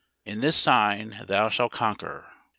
[In this sign thou shall conquer.